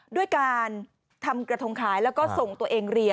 ด้วยการทำกระทงขายแล้วก็ส่งตัวเองเรียน